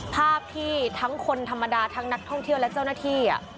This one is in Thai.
ภาพที่ทั้งคนธรรมดาทั้งนักท่องเที่ยวและเจ้าหน้าที่